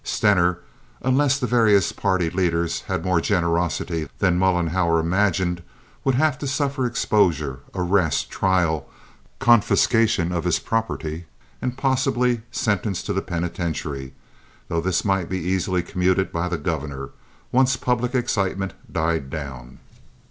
Stener, unless the various party leaders had more generosity than Mollenhauer imagined, would have to suffer exposure, arrest, trial, confiscation of his property, and possibly sentence to the penitentiary, though this might easily be commuted by the governor, once public excitement died down.